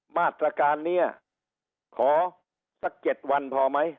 มาตรการนี้ขอสัก๗วันพอไหม